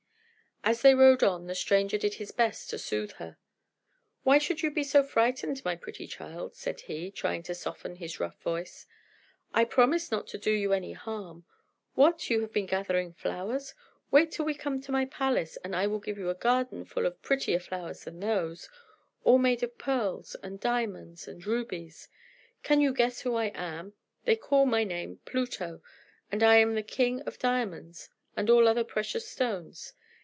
As they rode on, the stranger did his best to soothe her. "Why should you be so frightened, my pretty child?" said he, trying to soften his rough voice. "I promise not to do you any harm. What! You have been gathering flowers? Wait till we come to my palace, and I will give you a garden full of prettier flowers than those, all made of pearls, and diamonds, and rubies. Can you guess who I am? They call my name Pluto, and I am the king of diamonds and all other precious stones.